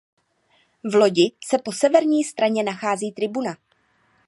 V lodi se po severní straně nachází tribuna.